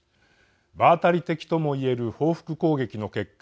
場当たり的とも言える報復攻撃の結果